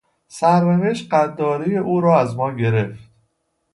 سرنوشت قدار او را از ما گرفت.